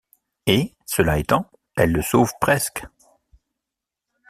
Et, cela étant, elle le sauve presque.